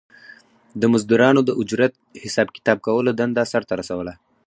د مزدورانو د اجرت حساب کتاب کولو دنده سر ته رسوله